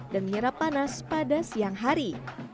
dan menyerap panas pada siang hari